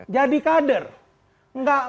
jadi kader nggak